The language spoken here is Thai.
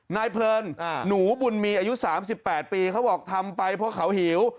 เพลินหนูบุญมีอายุ๓๘ปีเขาบอกทำไปเพราะเขาหิว